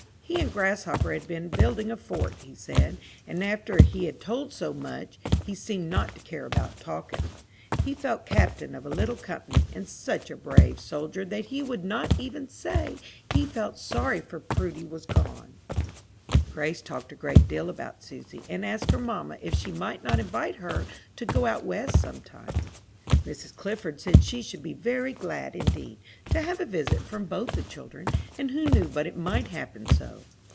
He and Grasshopper had been building a fort, he said; and after he had told so much, he seemed not to care about talking. He felt captain of a little company, and such a brave soldier that he would not even say he felt sorry Prudy was gone. Grace talked a great deal about Susy, and asked her mamma if she might not invite her to go out West some time. Mrs. Clifford said she should be very glad, indeed, to have a visit from both the children, and who knew but it might happen so?